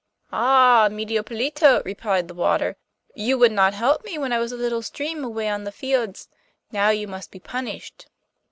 'Ah! Medio Pollito,' replied the water, 'you would not help me when I was a little stream away on the fields, now you must be punished.